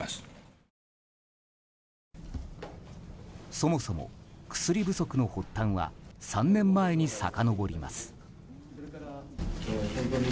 そもそも薬不足の発端は３年前にさかのぼります。